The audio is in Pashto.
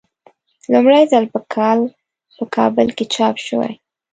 لومړی ځل په کال په کابل کې چاپ شوی.